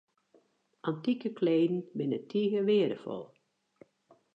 Antike kleden binne tige weardefol.